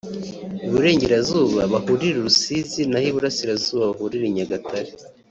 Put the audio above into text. Iburengerazuba bahurire i Rusizi naho Iburasirazuba bahurire i Nyagatare